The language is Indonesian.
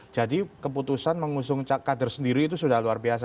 jadi keputusan mengusung kader sendiri itu sudah luar biasa